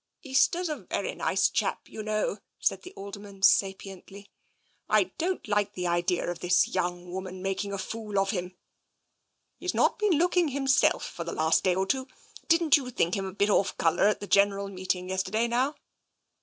" Easter's a very nice chap, you know," said the Alderman sapiently. " I don't like the idea of this young woman making a fool of him. He's not been looking himself for the last day or two. Didn't you think him a bit off colour at the General Meeting yes terday, now?